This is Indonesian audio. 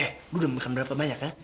eh lo udah makan berapa banyak ya